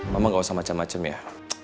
mama gak usah macem macem ya